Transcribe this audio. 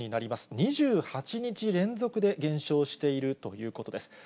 ２８日連続で減少しているということです。